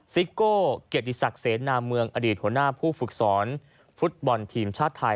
ซิโก้เกียรติศักดิ์เสนาเมืองอดีตหัวหน้าผู้ฝึกสอนฟุตบอลทีมชาติไทย